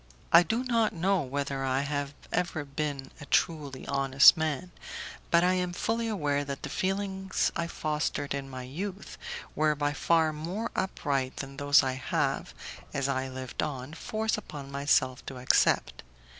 I do not know whether I have ever been a truly honest man, but I am fully aware that the feelings I fostered in my youth were by far more upright than those I have, as I lived on, forced myself to accept.